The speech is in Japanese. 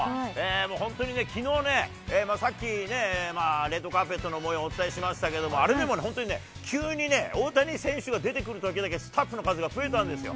本当にね、きのうね、さっきね、レッドカーペットのもようをお伝えしましたけども、あれでも本当にね、急にね、大谷選手が出てくるときだけスタッフの数が増えたんですよ。